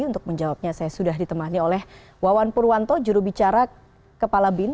untuk menjawabnya saya sudah ditemani oleh wawan purwanto jurubicara kepala bin